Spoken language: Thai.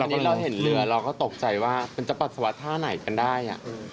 ตอนนี้เราเห็นเรือเราก็ตกใจว่ามันจะปัสสาวะท่าไหนกันได้